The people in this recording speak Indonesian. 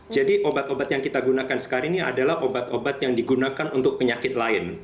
jadi obat obat yang kita gunakan sekarang ini adalah obat obat yang digunakan untuk penyakit lain